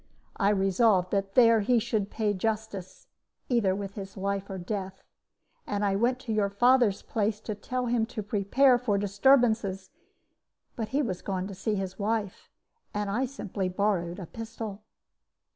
I resolved that there he should pay justice, either with his life or death. And I went to your father's place to tell him to prepare for disturbances; but he was gone to see his wife, and I simply borrowed a pistol.